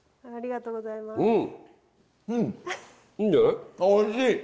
ありがとうございます。